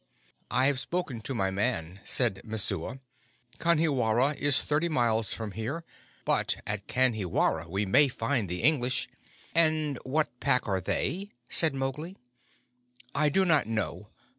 "I have spoken to my man," said Messua. "Kanhiwara is thirty miles from here, but at Kanhiwara we may find the English " "And what Pack are they?" said Mowgli. "I do not know.